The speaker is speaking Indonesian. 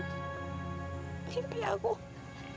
diri aku kayak gini